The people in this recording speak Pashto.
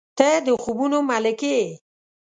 • ته د خوبونو ملکې یې.